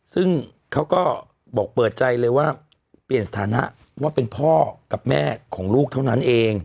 ซึ่งเขาก็บอกเปิดใจเลยว่าเปลี่ยนสถานะว่าเป็นพ่อกับแม่ของลูกเท่านั้นเอง